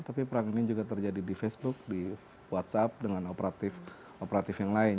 tapi perang ini juga terjadi di facebook di whatsapp dengan operatif operatif yang lain